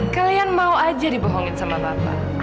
kalian mau aja dibohongin sama bapak